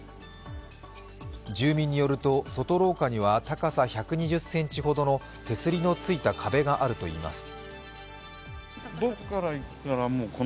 住民によると外廊下には１２０ｃｍほどの高さの手すりのついた壁があるといいます。